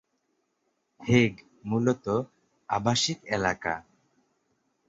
Hague মূলতঃ আবাসিক এলাকা।